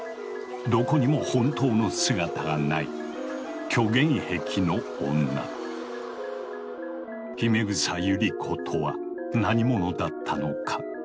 どこにも本当の姿がない姫草ユリ子とは何者だったのか。